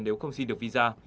nếu không xin được visa